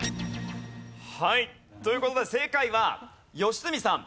はいという事で正解は良純さん